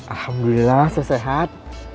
alhamdulillah saya sehat